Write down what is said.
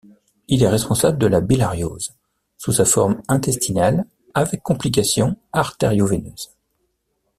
Il est responsable de la bilharziose, sous sa forme intestinale avec complications artério-veineuses.